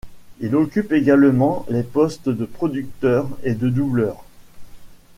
Il occupe également les postes de producteur et de doubleur.